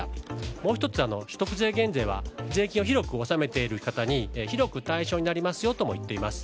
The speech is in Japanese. もう１つは所得税減税は税金を広く納める方に広く対象になるといっています。